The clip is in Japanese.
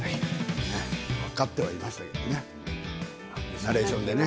分かってはいましたけどねナレーションでね